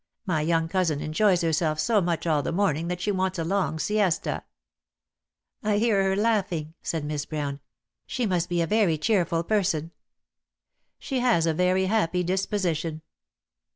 My young cousin enjoys herself so much all the morning that she wants a long siesta." ..•' "I hear her laughing," said Miss Brown. "She must be a very cheerful person." "She has a very happy disposition."